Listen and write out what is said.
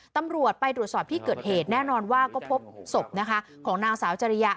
ตำรวจไปตรวจสอบที่เกิดเหตุแน่นอนว่าก็พบศพนะคะของนางสาวจริยะ